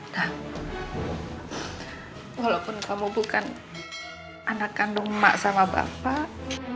nah walaupun kamu bukan anak kandung mak sama bapak